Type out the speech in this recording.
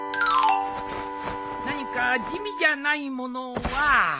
何か地味じゃないものは？